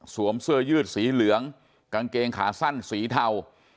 เสื้อยืดสีเหลืองกางเกงขาสั้นสีเทา